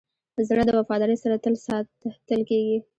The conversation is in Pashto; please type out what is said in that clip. زړه د وفادارۍ سره تل ساتل کېږي.